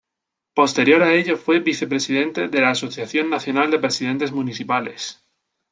Posterior a ello fue Vicepresidente de la Asociación Nacional de Presidentes Municipales.